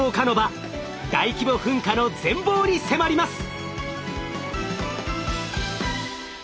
大規模噴火の全貌に迫ります！